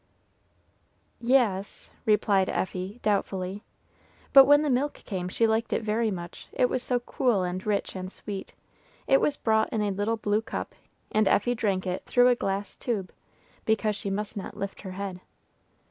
"Y es," replied Effie, doubtfully. But when the milk came, she liked it very much, it was so cool and rich and sweet. It was brought in a little blue cup, and Effie drank it through a glass tube, because she must not lift her head.